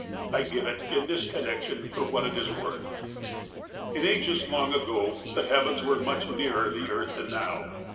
I give it, in this connection, for what it is worth :" In ages long gone the heavens were much nearer the earth than now.